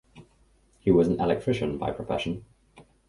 He was an electrician by profession.